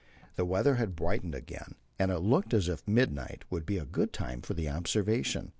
The weather had brightened again, and it looked as if midnight would be a good time for the observation.